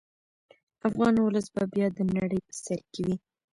افغان ولس به بیا د نړۍ په سر کې وي.